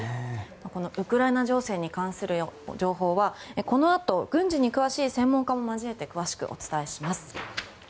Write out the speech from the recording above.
このウクライナ情勢に関する情報はこのあと軍事に詳しい専門家も交えて詳しくお伝えします。